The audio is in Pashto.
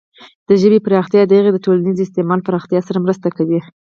د ژبې پراختیا د هغې د ټولنیز استعمال پراختیا سره مرسته کوي.